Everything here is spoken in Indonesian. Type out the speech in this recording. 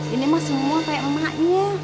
ini mah semua kayak emaknya